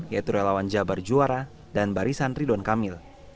yaitu relawan jabar juara dan barisan ridwan kamil